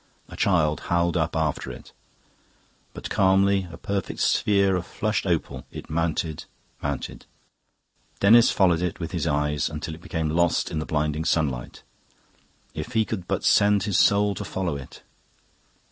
A child howled up after it; but calmly, a perfect sphere of flushed opal, it mounted, mounted. Denis followed it with his eyes until it became lost in the blinding sunlight. If he could but send his soul to follow it!...